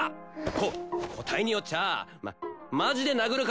こ答えによっちゃあママジで殴るからな。